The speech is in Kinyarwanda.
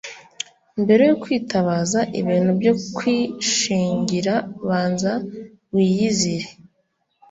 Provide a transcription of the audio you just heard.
mbere yo kwitabaza ibintu byo kwishingira banza wiyizire